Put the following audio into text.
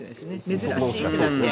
珍しいとなって。